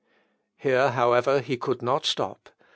Here, however, he could not stop.